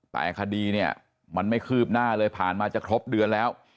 แต่คดีเนี่ยมันไม่คืบหน้าเลยผ่านมาจะครบเดือนแล้ว